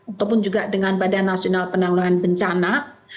ataupun juga dengan badan nasional penanggulangan bencana